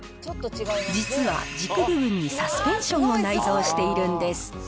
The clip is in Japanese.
実は軸部分にサスペンションを内蔵しているんです。